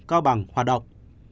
cao bằng hoạt động